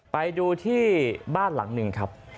ไปดูที่บ้านหลังหนึ่งครับ